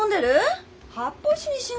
発泡酒にしなよ。